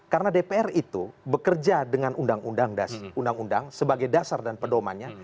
karena dpr itu bekerja dengan undang undang sebagai dasar dan pedomannya